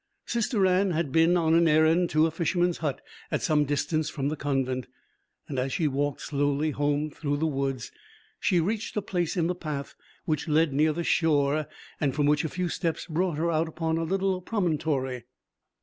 Sister Anne had been on an errand to a fisherman's hut at some distance from the convent. As she walked slowly home through the woods, she reached a place in the path which led near the shore and from which a few steps brought her out upon a little promontory.